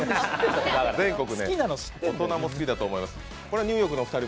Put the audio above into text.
全国ね、大人も好きだと思います。